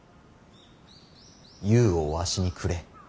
ゆうをわしにくれ。